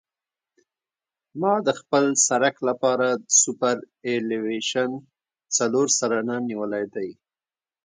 ما د خپل سرک لپاره سوپرایلیویشن څلور سلنه نیولی دی